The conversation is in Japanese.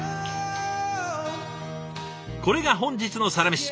これが本日のサラメシ！